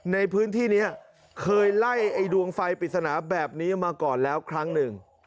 ในพื้นที่นี้เคยไล่ไอ้ดวงไฟปริศนาแบบนี้มาก่อนแล้วครั้งหนึ่ง